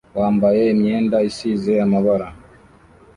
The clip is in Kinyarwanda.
wambaye imyenda isize amabara